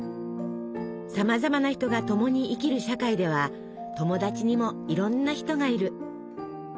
さまざまな人が共に生きる社会では友達にもいろんな人がいる。